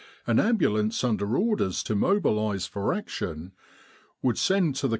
An Ambulance under orders to mobilise for action would send to the C.